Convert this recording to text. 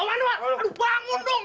aduh bangun dong